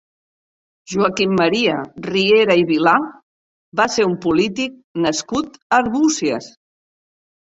Joaquim Maria Riera i Vilà va ser un polític nascut a Arbúcies.